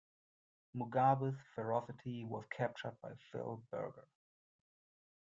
Mugabi's ferocity was captured by Phil Berger.